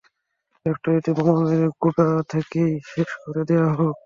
ফ্যাক্টরিটাতে বোমা মেরে গোড়া থেকেই শেষ করে দেয়া হোক।